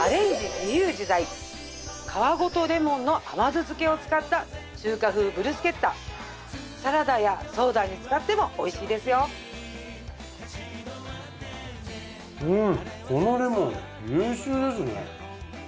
自由自在皮ごとレモンの甘酢漬けを使った中華風ブルスケッタサラダやソーダに使ってもおいしいですようん！